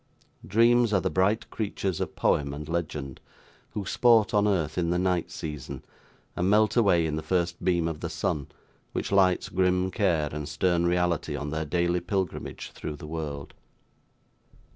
Dreams are the bright creatures of poem and legend, who sport on earth in the night season, and melt away in the first beam of the sun, which lights grim care and stern reality on their daily pilgrimage through the world.